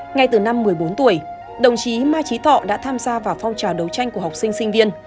ngay từ năm một mươi bốn tuổi đồng chí mai trí thọ đã tham gia vào phong trào đấu tranh của học sinh sinh viên